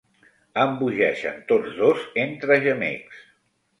Embogeixen tots dos entre gemecs.